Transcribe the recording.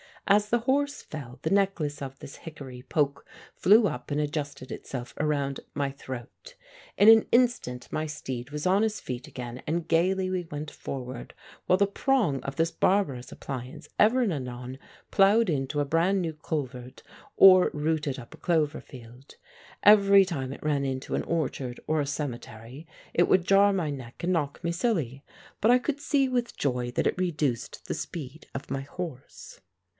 As the horse fell, the necklace of this hickory poke flew up and adjusted itself around my throat. In an instant my steed was on his feet again, and gayly we went forward while the prong of this barbarous appliance, ever and anon plowed into a brand new culvert or rooted up a clover field. Every time it ran into an orchard or a cemetery it would jar my neck and knock me silly. But I could see with joy that it reduced the speed of my horse.